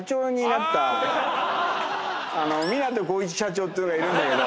港浩一社長っていうのがいるんだけど。